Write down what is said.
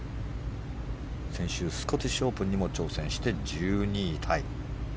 先週スコティッシュオープンにも挑戦して１２位タイ。